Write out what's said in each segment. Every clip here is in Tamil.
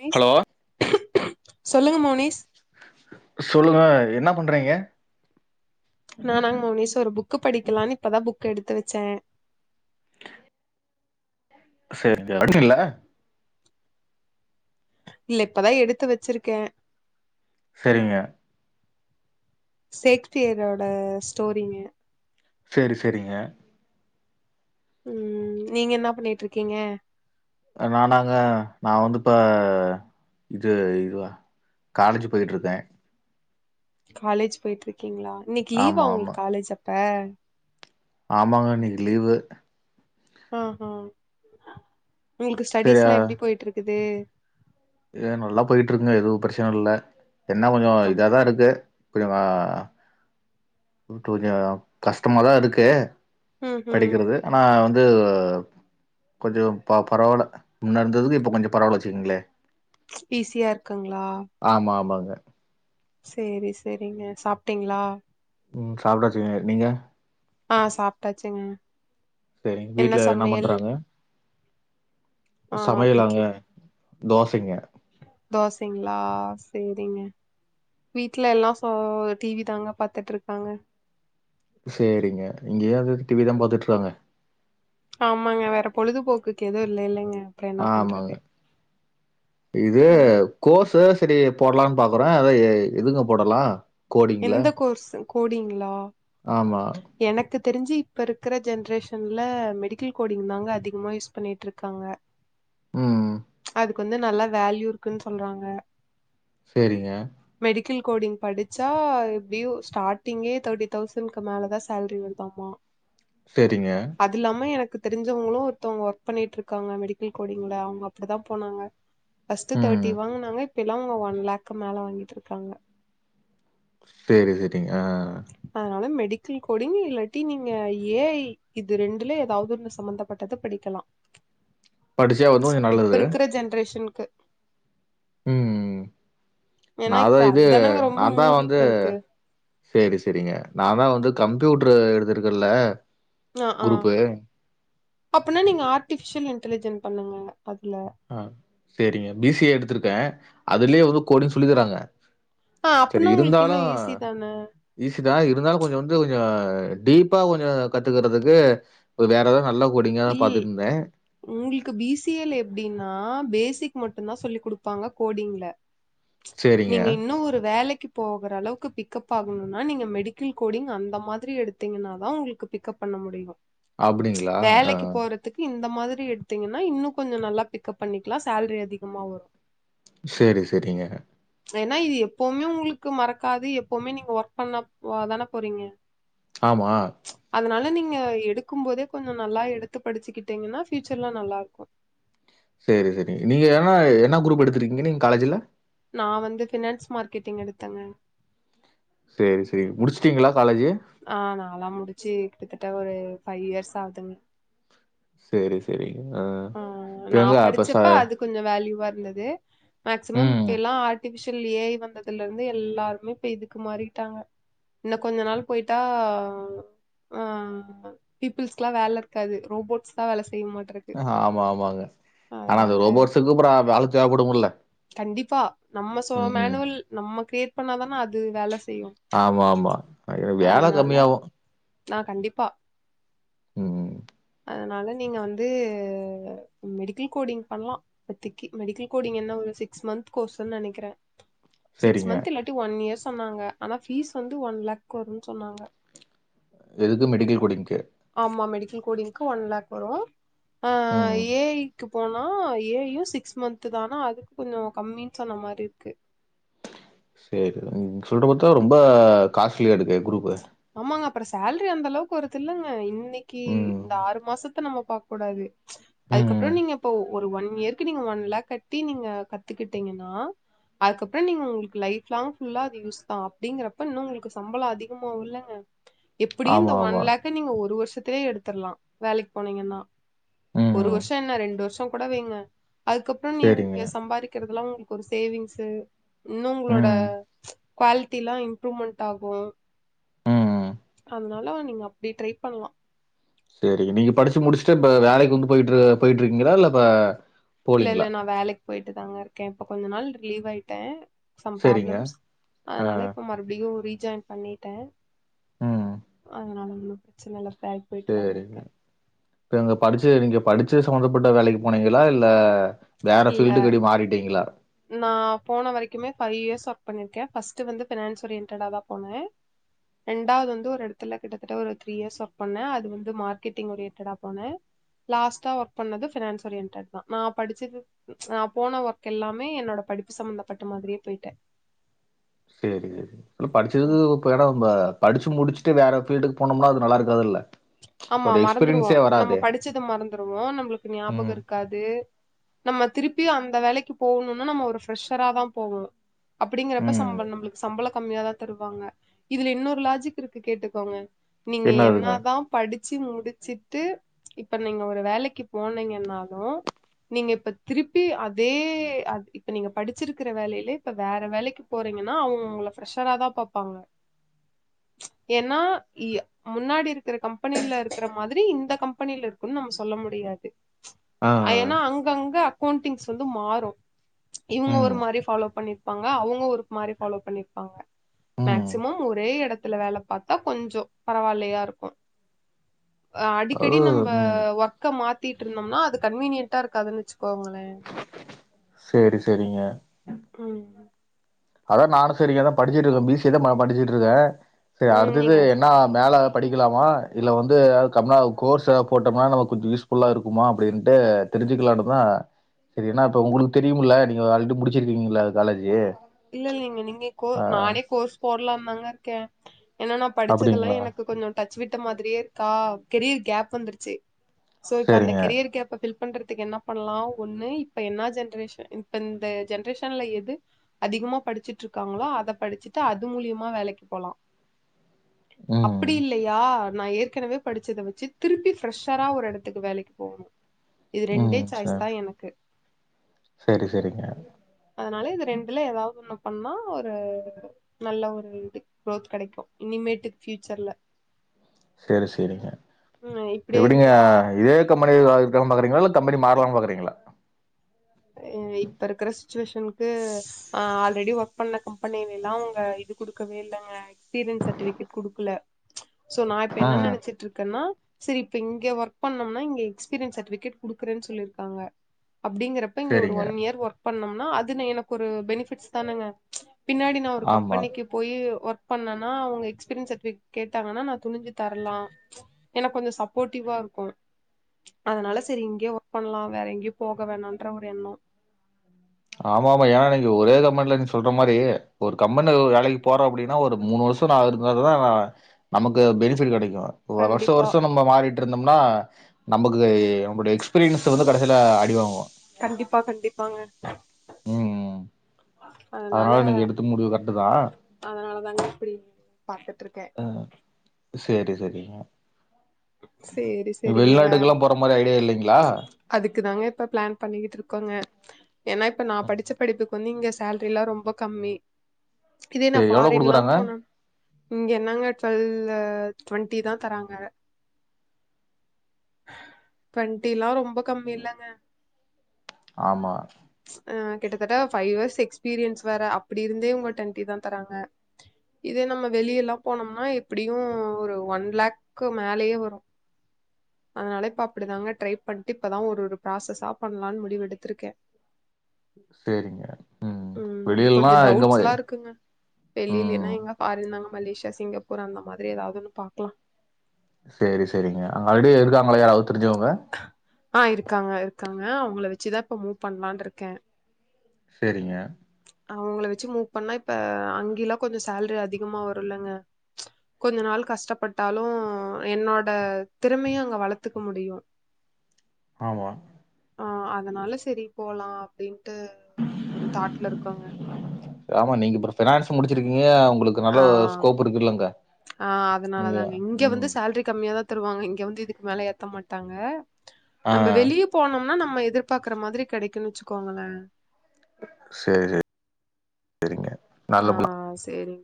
மோனிஸ் ஹலோ சொல்லுங்க மோனிஸ் சொல்லுங்க என்ன பண்ணுறீங்க நானா மோனிஷ் ஒரு புக் படிக்கலான்னு இப்பதா புக் எடுத்து வச்சே செரி [inaudible] இல்ல இப்பதா எடுத்து வச்சிருக்கே செரிங்க சேக்ஸ்பியரோட ஸ்டோரிங்க சேரி சேரிங்க ம் நீங்க என்ன பண்ணிட்டு இருக்கீங்க நானாங்க நான் வந்துப்ப இது இதுவா காலேஜ் போயிட்ருக்கேன் காலேஜ் போயிட்ருக்கீங்களா இன்னைக்கு லீவா ஆமா ஆமா உங்களுக்கு காலேஜ் அப்ப ஆமாங்க இன்னைக்கு லீவு ஆஹ் ஹ உங்களுக்கு சரியா ஸ்டடிஸ்லாம் எப்டி போயட்ருக்குது ஏ நல்லா போயட்ருங்க எதுவும் பிரச்சனை இல்லை என்ன கொஞ்சம் அப் இதாக தான் இருக்கு கொஞ்சம் ட்டு கொஞ்சம் கஷ்டமாக தான் இருக்கு ம் ம் படிக்கிறது ஆனா வந்து கொஞ்சம் ப பரவால முன்னேருந்ததுக்கு இப்போ கொஞ்சம் பரவாயில்ல வச்சுக்கோங்களே ஈஸியா இருக்குங்களா ஆமா ஆமாங்க சேரி சேரிங்க சாப்பிட்டீங்களா உம் சாப்பிடாச்சுக்க நீங்க ஆ சாப்ட்டாச்சுங்க சரிங்க வீட்டுல என்ன பண்றாங்க ஆ சமையலாங்க வீட்ல தோசைங்க தோசைங்களா சேரிங்க வீட்ல எல்லாம் சோ டி வி தாங்க பாத்துட்டு இருக்காங்க சேரிங்க இங்கேயே அது டி வி தான் பாத்துட்ருக்காங்க ஆமாங்க வேற பொழுதுபோக்குக்கு எதுவும் இல்லைல்லைங்க ஆமாங்க இதே ம் கோர்சு சரி போடலாம்னு பாக்குறேன் அதா எதுங்க போடலாம் கோடிங்ல? எந்த கோர்ஸ் கோடிங்ளா ஆமா எனக்கு தெரிஞ்சி இப்ப இருக்கற ஜென்ரேஷன்ல மெடிக்கல் கோடிங் தாங்க அதிகமா யூஸ் பண்ணிட்டுருக்காங்க ம் அதுக்கு வந்து நல்லா வேல்யூ இருக்குன்னு சொல்றாங்க சேரிங்க மெடிக்கல் கோடிங் படிச்சா எப்படியும் ஸ்டார்ட்டிங்கே தேர்ட்டி தௌசண்ட் க் கு மேலதான் சேலரி வருதாமா செரிங்க அது இல்லாம எனக்கு தெரிஞ்சவங்களும் ஒருத்தவங்க ஒர்க் பண்ணிட்டு இருக்காங்க மெடிக்கல் கோடிங்ல அவங்க அப்படி தான் போனாங்க ஃபர்ஸ்டு தேர்ட்டி ம். வாங்கினாங்க இப்ப எல்லாம் ஒன் லேக் மேல வாங்கிட்டு இருக்காங்க சேரி சரிங்க ஆ அதனால மெ டிக்கல் கோடிங் இல்லாட்டி நீங்க ஏ ஐ இது ரெண்டுல ஏதாவதொன்னு சம்பமந்தப்பட்டத படிக்கலாம் படிச்சா வந்து கொஞ்சம் இப்ப நல்லது. இருக்கிற ஜென்ரேஷனுக்கு ம் ஏன்னா நான் இப்ப தான் இது அதுதானங்க ரொம்ப நான்தான் வந்து மூவிங்ல இருக்கு சேரி சேரிங்க நான் தான் வந்து கம்ப்யூட்ரு எடுத்துருக்கேன்ல ஆ ஆ அப்பனா நீங்க ஆர்ட்டிபிஷியல் இன்டலிஜென் பண்ணுங்க அதுல அ சரிங்க பி சி ஏ எடுத்திருக்கேன் அதுலயே ஒரு கோடிங் சொல்லி தராங்க ஆ அப்பன்னா உங்களுக்கு இன்னு ஈஸி தான ஈஸிதா இருந்தாலு கொஞ்சோ வந்து கொஞ்சோ டீப்பா கொஞ்சோ கத்துக்கறதுக்கு வேற ஏதாது நல்ல கோடிங்காதா பாத்துன்னு இருந்தே உங்ளுக்கு பி சி ஏ ல எப்டின்னா பேசிக் மட்டுதா சொல்லிக் குடுப்பாங்க கோடிங்ல சரிங்க. நீங்க இன்னு ஒரு வேலைக்கு போகற அளவுக்கு பிக்கப் ஆகணுனா நீங்க மெடிக்கல் கோடிங் அந்த மாதிரி எடுத்தீங்ன்னாதா உங்ளுக்கு பிக்கப் பண்ண முடியு அப்டிங் வேலைக்கு போற த்துக்கு இந்த மாதிரி எடுத்தீங்ன்னா இன்னு கொஞ்சோ நல்லா பிக்கப் பண்ணிக்கலா சேல்ரி அதிகமா வரு சேரி சேரிங்க ஏன்னா இது எப்போமே உங்ளுக்கு மறக்காது எப்போமே நீங்க ஒர்க் பண்ண போவதான போறீங்க ஆமா அதனால நீங்க எடுக்கும் போதே கொஞ்சோ நல்லா எடுத்து படிச்சுக்கிட்டீங்கன்னா ஃபியூச்சர்ல நல்லார்க்கு சேரி சேரிங்க நீங்க என்னா என்னா க்ரூப் எடுத்திருக்கீங்க நீங்க காலேஜ்ல நா வந்து ஃபினான்ஸ் மார்க்கெட்டிங் எடுத்தங்க சேரி சேரி முடிச்சிட்டீங்ளா காலேஜு ஆ நாளா முடிச்சு கிட்டத்தட்ட ஒரு ஃபை இயர்ஸ் ஆகுதுங்க சேரி சேரிங்க அ ஆ இப்ப நா எங்க அப்ப ச படிச்சப்ப அது கொஞ்சோ வேல்யூவா இருந்தது மேக்சிமம் இப்ப ம். எல்லா ஆர்டிஃபிஷியல் ஏ ஐ வந்ததுல இருந்து எல்லாருமே இப்ப இதுக்கு மாறிட்டாங்க இன்னு கொஞ்ச நாள் போய்ட்டா அ பீப்புள்ஸ்க்குல்லா வேல இருக்காது ரோபோட்ஸ்தா வேல செய்யு மாட்ருக்கு ஆமா ஆமாங்க ஆனா அது அதனால ரோபோட்ஸுக்கு அப்றோ வேல தேவைப்படும்ல கண்டிப்பா நம்ம சோ ம். மேனுவல் நம்ம க்ரியேட் பண்ணாதான அது வேல செய்யு ஆமா ஆமா அ வேல அதனால கம்மியாவு நா கண்டிப்பா ம் அதனால நீங்க வந்து மெடிக்கல் கோடிங் பண்லா இப்பத்திக்கி மெடிக்கல் கோடிங் என்னா ஒரு சிக்ஸ் மன்த் கோர்ஸ்ன்னு நெனைக்றே சிக்ஸ் சரிங்க. மன்த் இல்லாட்டி ஒன் இயர் சொன்னாங்க ஆனா ஃபீஸ் வந்து ஒன் லேக் வரும்னு சொன்னாங்க எதுக்கு மெடிக்கல் கோடிங்க்கு ஆமா மெடிக்கல் கோடிங்க்கு ஒன் லேக் வரு ஆ ஆ ம். ஏ ஐக்கு போனா ஏ ஐயு சிக்ஸ் மன்த்துதா ஆனா அது கொஞ்சோ கம்மின்னு சொன்ன மாரி இருக்கு சேரி நீங்க சொல்ற பாத்தா ரொம்ப காஸ்ட்லியா ஆயிடுமே குரூப்பு ஆமாங்க அப்றோ சேல்ரி அந்த அளவுக்கு வருது இல்லங்க இன்னக்கி ம். இந்த ஆறு மாசத்த நம்ம பாக் ககூடாது அதுக்கப்றோ ம். நீங்க இப்போ ஒரு ஒன் இயருக்கு நீங்க ஒன் லேக் கட்டி நீங்க கத்துக்கிட்டீங்கன்னா அதுக்கப்றோ நீங்க உங்ளுக்கு லைஃப் லாங் ஃபுல்லா அது யூஸ்தா அப்டிங்குறப்ப இன்னு உங்ளுக்கு சம்பளோ அதிகமாவுல்ல அ எப்டியு ஆமா, இந்த ஒன் ஆமா. லேக்க நீங்க ஒரு வருஷத்துலயே எடுத்துர்லா வேலைக்கு போனீங்கன்னா ஒரு ம். வருஷோ என்ன ரெண்டு வருஷோ கூட வைங்க அதுக்கப்றோ சரிங்க. நீங்க சம்பாதிக்கிறதுல்லா உங்ளுக்கு ஒரு சேவிங்ஸு இன்னு உங்களோட ம். க்வாலிட்டில்லா இம்ப்ரூவ்மெண்ட் ஆகு ம். அதனால நீங்க அப்டி ட்ரை பண்லா சரிங்க நீங்க படிச்சு முடிச்சுட்டு இப்ப வேலக்கு வந்து போயிட்டு போய்ட்டு இருக்கீங்ளா இல்ல இப்ப இல்ல இல்ல போலீங்களா? நா வேலைக்கு போயிட்டு தாங்க இருக்கே இப்ப கொஞ்ச நாள் லீவ் ஆயிட்டே சம் சரிங்க. ப்ராப்ளம்ஸ் ஆ. அதனால இப்ப மறுபடியு ரீஜாய்ண்ட் பண்ணிட்டே ம். அதனால பிரச்சன இல்ல பேக் போய்ட்டு த சரிங்க. இருக்கே இப்ப நீங்க படிச்சது இங்க படிச்ச சம்பந்தப்பட்ட வேலைக்கு போனீங்களா இல்ல வேற ஃபீல்டுக்கு அப்டி மாறிட்டீங்களா நா போன வரைக்குமே ஃபைவ் இயர்ஸ் ஒர்க் பண்ணிருக்கே ஃபஸ்ட் வந்து ஃபினான்ஸ் ஒரியன்டடா தா போனே ரெண்டாவது வந்து ஒரு இடத்துல கிட்டத்தட்ட ஒரு த்ரீ இயர்ஸ் ஒர்க்பண்ணே அது வந்து மார்கெட்டிங் ஒரியண்டடா போனே லாஸ்டா ஒர்க் பண்ணது ஃபினான்ஸ் ஓரியன்டட் தா படிச்சது நா போன ஒர்க் எல்லாமே என்னோட படிப்பு சம்பந்தப்பட்ட மாரியே போயிட்டே சேரி படிச்சது இப்ப ஏன்னா படிச்சு முடிச்சு ட்டு வேற ஃபில்டுக்கு போனம்னா அது நல்ல இருக்காதுல்ல ஆமா ஒரு மறந்துருவோ எக்ஸ்பீரியன்ஸே நம்ம வராதே! படிச்சது மறந்துருவோ நம்மளுக்கு ஞாபகோ ம். இருக்காது நம்ம திருப்பியு அந்த வேலைக்கு போவுணும்னா நம்ம ஒரு ஃப்ரெஷரா தா போணு அப்படிங்கிறப்ப ம். சம்பளோ நம்மளுக்கு சம்பளோ கம்மியாதா தருவாங்க இதுல இன்னொரு லாஜிக் இருக்கு கேட்டுக்கோங்க நீங்க என்னதுங்க என்னாதா படிச்சு முடிச்சிட்டு இப்ப நீங்க ஒரு வேலைக்கு போனீங்கன்னாதா நீங்க இப்ப திருப்பி அதே இப்ப நீங்க படிச்சிருக்கிற வேலையிலயே இப்ப வேற வேலைக்கு போறீங்கன்னா அவங்கவுங்கள ஃப்ரெஷரா தா பாப்பாங்க ச் ஏன்னா இய முன்னாடி இருக்கிற கம்ப கம்பெனில இருக்கிற மாதிரி இந்த கம்பெனில இருக்குன்னு நம்ம சொல்ல முடியாது ஆ ஏன்னா அங்கங்க அக்கௌண்டிங்ஸ் வந்து மாறு இவங்க ம் ஒரு மாரி ஃபாலோ பண்ணிருப்பாங்க அவங்க ஒரு மாரி ஃபாலோ பண்ணிருப்பாங்க ம் மேக்சிமம் ஒரே இடத்துல வேல பாத்தா கொஞ்சோ பரவாயில்லையா இருக்கு அஹ் அது அடிக்கடி நம்ப ம் ஒர்க்க மாத்திட்டு இருந்தோம்னா அது கன்வீனியன்ட்டா இருக்காதுன்னு வச்சுக்கோங்களே சேரி செரிங்க உம் அதா நானு சரிங்க படிச்சுட்டு இருக்கே பி. சி. ஏ தா நா படிச்சுட்டு இருக்கே செரி ம் அடுத்தது நீங்க என்ன நா மேல படிக்கலாமா இல்ல வந்து எதா கம்னா கோர்ஸ் எதா போட்டோம்னா நமக்கு கொஞ்சோ யூஸ் ஃபுல்லா இருக்குமா அப்படின்ட்டு தெரிஞ்சுக்கலானுதா சரிண்ணா இப்போ உங்களுக்கு தெரியுமுல்ல நீங்க ஆல்ரெடி முடிச்சிருக்கீங்கள காலேஜி இல்ல இல்லங்க நீங்க கோ நானே கோர்ஸ் போடலா தாங்க இருக்கே ஏன்னா நா படிச்சதெல்லா அப்டிங்களா எனக்கு கொஞ்சோ டச் விட்ட மாரியே இருக்கா கெரியர் கேப் வந்துருச்சு சோ இப்ப அந்த சேரிங்க கெரியர் கேப்ப ஃபில் பண்றதுக்கு என்ன பண்ணலா ஒண்ணு இப்ப என்னா ஜென்ரேஷன் இப்ப இந்த ஜென்ரேஷன்ல எது அதிகமா படிச்சுட்டு இருக்காங்களோ அத படிச்சுட்டு அது மூலியமா வேலைக்கு போலா ம் அப்பிடில்லையா நா ஏர்க் ஏற்கனவே படிச்சத வச்சு திருப்பி ஃப்ரெஷரா ஒரு இடத்துக்கு வேலைக்கு போவணு இது ரெண்டே ம் சாய்ஸ் சேர் தா எனக்கு சேரி செரிங்க அதனால இது ரெண்டுல எதாவது ஒன்னு பண்ணா ஒரு நல்ல ஒரு இது குரோத் கிடைக்கு இனிமேட்டு ஃபியூச்சர்ல செரி செரிங்க ம் இப்படியே இதவிடுங்க இருந்தா இதே கம்பனில வேல இருக்கானு பாக்கிறிங்களா இல்ல கம்பெனி மாறலா பாக்கிறிங்களா இப்ப இருக்ற சிச்சுவேஷனுக்கு ஹ ஆல்ரெடி ஒர்க் பண்ண கம்பெனிலல்லா உங்க இது குடுக்கவே இல்லைங்க எக்ஸ்பீரியன்ஸ் சர்டிபிகேட் குடுக்கல சோ நா இப்ப ஆ என்ன நெனைச்சிட்டு இருக்கன்னா செரி இப்ப இங்க ஒர்க் பண்ணம்னா இங்க எக்ஸ்பீரியன்ஸ் சர்டிபிகேட் குடுக்குறேனு சொல்லிய்ருக்காங்க அப்டிங்கற இப்ப இங்க ஒரு சேரிங்க ஒன் இயர் ஒர்க் பண்ணோம்னா அதுனு எனக்கு ஒரு பெனிபிட்ஸ்ஸு தானங்க பின்னாடி நா ஒரு ஆமா கம்பெனிக்கு போய் ஒர்க் பண்ணனா அவுங்க எக்ஸ்பீரியன் சர்டிபிகேட் கேட்டாங்கன்னா நா துணிச்சி தரலா எனக்கு கொஞ்சோ சப்போர்ட்டிவா இருக்கு அதனால செரி இங்கயே ஒர்க் பண்ணலா வேற எங்கேயோ போக வேணாம்ன்ற ஒரு எண்ணோ ஆமா ஆமா ஏன்னா இன்னைக்கு ஒரே கம்பென்ல நீ சொல்ற மாரி ஒரு கம்பென் வேலைக்கு போறோ அப்டின்னா ஒரு மூணு வர் ஷோ நாலு இருந்த தா நமக்கு பெனிபிட் கெடைக்கு ஒ வர்ஷ கண்டிப்பா வர்ஷம் நம்ம மாறிட்டு இருந்தோம்னா நமக்கு நம்மளுடைய எக்ஸ்பீரியன்ஸ் வந்து கடைசியில அடிவாங்கு கண்டிப்பா கண்டிப்பாங்க ம் ம் அதனால நீங்க எடுத்த முடிவு கரெக்ட் தா அதனாலதாங்க இப்டி பாத்துட்டு இருக்கே செரி செரிங்க சேரி சேரிங்க வே வெளிநாட்டுக்கெல்லா போற மாரி ஐடியா இல்லைங்களா அதுக்கு தங்க இப்ப பிளான் பண்ணிக்கிட்டு இருக்கோங்க ஏன்னா இப்ப நா படிச்ச படிப்புக் கு வந்து இங்க சேலரி எல்லா ரொம்ப கம்மி இதே நா சேரி எவ்ளோ ஃபாரின்ல்லா குடுக்குறாங்க போன இங்க என்னங்க ட்வெல்லு டுவெண்ட்டி தா தராங்க டுவெண்ட்டிலா ரொம்ப கம்மி இல்லைங்க ஆமா ஆ கிட்டத்தட்ட ஃபைவ் இயர்ஸ்ஸு எக்ஸ்பீரியன்ஸ் வேற அப்பிடி இருந்தே இவுங்க டென்டி தா தராங்க இதே நம்ம வெளியெல்லா போனோம்னா எப்டியு ஒரு ஒன் லக் கு மேலேயே வரு அதனால இப்ப அப்டிதாங்க ட்ரை பண்ட்டு இப்பதா ஒரு ஒரு ப்ராசஸா பண்ணலாம்ன்னு முடிவு எடுத்திருக்கே செரிங்க ம் வெளியிலன்னா எங்க [unintelligible] க்குங்க வெளியிலினா ம் எங்க ஃபாரின் தாங்க மலேசியா சிங்கப்பூர் அந்த மாதிரி ஏதாவ்து ஒன்னு பாக்கலா செரி செரிங்க அங்க ஆல்ரடி இருக்காங்கள யாராவ்து தெரிஞ்சவங்க ஆ இருக்காங்க இருக்காங்க அவுங்கள வச்சுதா இப்ப மூவ் பண்லானு இருக்கே செரிங்க அவுங்கள வச்சு மூவ் பண்ணா இப்ப அங்கல்லா கொஞ்ச சேலரி அதிகமா வரும்ல்லங்க கொஞ்சோ நாள் கஷ்டப்பட்டாலு என்னோட திறமையு அங்க வளத்துக்க முடியு ஆமா ஆ அதனால செரி போலா அப்டின்ட்டு ஒரு தாட்ல இருக்கங்க ஆமா நீங்க இப்றோ ஃபனான்ஸ் முடிச்சிருக்கீங்க உங்களுக்கு நல்ல ஆ ஸ்கோப் இருக்குல்லங்க ஆ நீங்க அதனாலதாங்க இங்க வந்து ம் சேலரி கம்மிய தா தருவாங்க இங்க வந்து இதுக்கு மேல ஏத்த மாட்டாங்க ஆ நம்ம வெளியே போனோம்னா நம்ம எதிர்ப்க்கற மாதிரி கெடைக்கு வச்சுக்கோங்களே செரி செரி செரிங்க ஆ செரிங்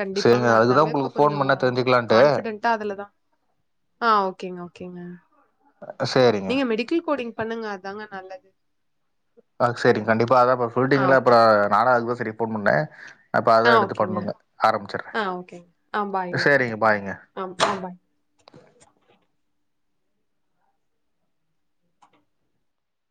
கண்டிப்பாங்க சேரிங்க அதுக்குதா அதாங்க இப்ப உங்களுக்கு ஃபோன் கொஞ்சோ பண்ண தெரிஞ்சுக்கலான்ட்டு கான்பிடென்ட் டா அதுல தா ஆ ஓகேங்க ஓகேங்க ஆ செரிங்க கிழ்கோடிங் பண்ணுங்க அதாங்க நல்லது அ செரிங் கண்டிப்பா அதா அப்பறோ ஆ சொல்ட்டீங்கள ஓகே அப்பறோ நானா அதுதா செரி போன் பண்ண அப்போ ஆ அதா எடுத்து ஓகேங்க பண்ணுங்க ஆரம்பிச்சிடுற ஆ சேரிங்க பாய்ங்க அம்ப்ப பா